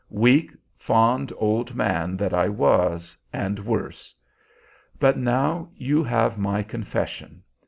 Weak, fond old man that I was, and worse! But now you have my confession.